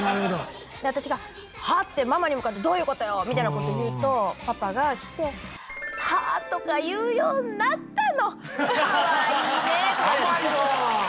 私が「“は？”ってママに向かってどういう事よ」みたいな事を言うとパパが来て「“は？”とか言うようになったのかわいいね！」とか。甘いな！